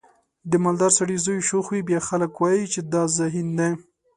د مالدار سړي زوی شوخ وي بیا خلک وایي چې دا ذهین دی.